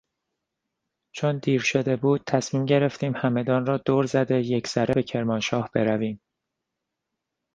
چون دیر شده بود تصمیم گرفتیم همدان را دور زده یکسره به کرمانشاه برویم.